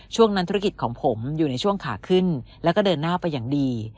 ช่วงนั้นธุรกิจของผมอยู่ในช่วงขาขึ้นแล้วก็เดินหน้าไปอย่างดี